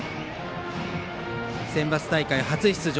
センバツ大会初出場